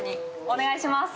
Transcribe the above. お願いします。